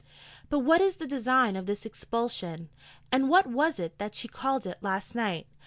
But what is the design of this expulsion? And what was it that she called it last night?